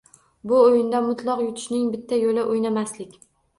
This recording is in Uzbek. Bu oʻyinda mutlaq yutishning bitta yoʻli – oʻynamaslik